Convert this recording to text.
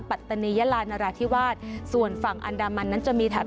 ปัตตานียาลานราธิวาสส่วนฝั่งอันดามันนั้นจะมีแถบ